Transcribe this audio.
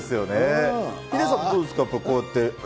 ヒデさんもどうですか？